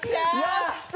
よっしゃ！